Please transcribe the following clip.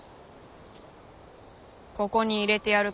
ここに入れてやるか？